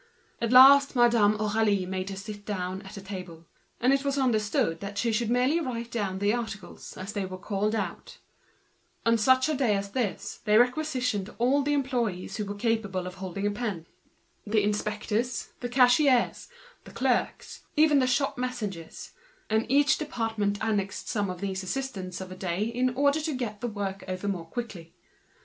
At last Madame Aurélie made her sit down at a table; and it was understood that she should merely write down the articles as they were called out. On such a day as this they requisitioned any employee capable of holding a pen: the inspectors, the cashiers, the clerks, even down to the shop messengers; and the various departments divided amongst themselves these assistants of a day to get the work over quicker.